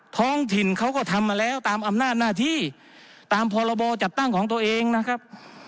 ท้องถิ่นเขาก็ทำมาแล้วตามอำนาจหน้าที่ตามพรบจัดตั้งของตัวเองนะครับ